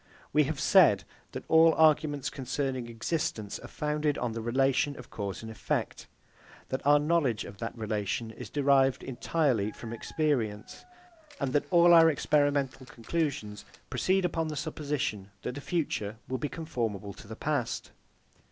We have said that all arguments concerning existence are founded on the relation of cause and effect; that our knowledge of that relation is derived entirely from experience; and that all our experimental conclusions proceed upon the supposition that the future will be conformable to the past.